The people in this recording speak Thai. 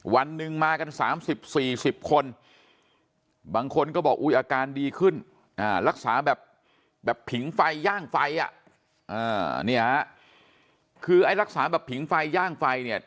วันหนึ่งมากัน๓๐๔๐คนบางคนก็บอกอุ๊ยอาการดีขึ้นรักษาแบบผิงไฟย่างไฟอ่ะนี่ฮะคือไอ้รักษาแบบผิงไฟย่างไฟเนี่ย